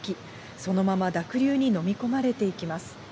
そのまま濁流に飲み込まれていきます。